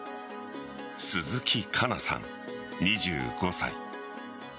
鈴木加奈さん、２５歳。